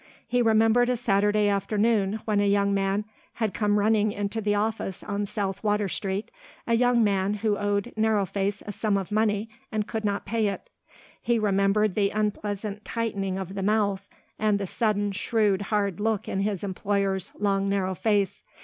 He remembered a Saturday afternoon when a young man had come running into the office on South Water Street, a young man who owed Narrow Face a sum of money and could not pay it. He remembered the unpleasant tightening of the mouth and the sudden shrewd hard look in his employer's long narrow face.